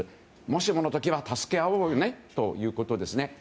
もしもの時は助け合おうねということですね。